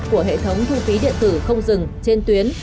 của hệ thống thu phí điện tử không dừng trên tuyến